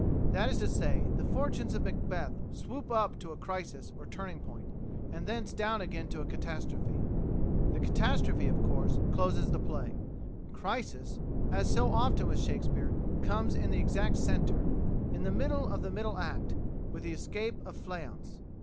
That is to say, the fortunes of Macbeth swoop up to a crisis or turning point, and thence down again to a catastrophe. The catastrophe, of course, closes the play; the crisis, as so often with Shakespeare, comes in its exact centre, in the middle of the middle act, with the Escape of Fleance.